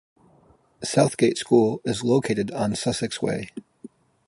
Southgate School is located on Sussex Way.